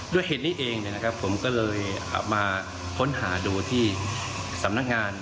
ด้วยเหตุนี้เองนะครับผมก็เลยมาพ้นหาดูที่สำนักงาน